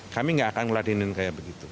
kami tidak akan meladinin seperti itu